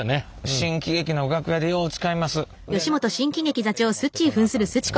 新喜劇の楽屋でよう使います。